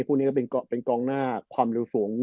คู่นี้ก็เป็นกองหน้าความเร็วสูง